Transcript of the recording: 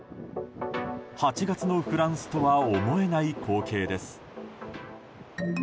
８月のフランスとは思えない光景です。